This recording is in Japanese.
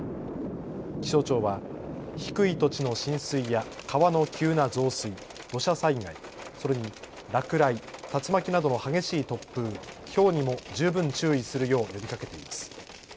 気象庁は低い土地の浸水や川の急な増水、土砂災害、それに落雷、竜巻などの激しい突風、ひょうにも十分注意するよう呼びかけています。